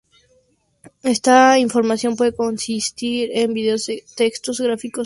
Esta información puede consistir en videos, textos, gráficos, fotos...